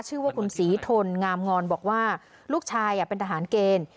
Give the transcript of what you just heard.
ชื่อว่าคุณศรีทนงามงอนบอกว่าลูกชายเป็นทหารเกณฑ์